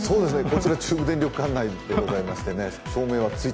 こちら中部電力管内でございましてね。